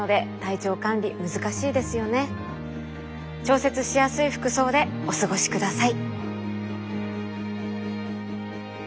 調節しやすい服装でお過ごしください。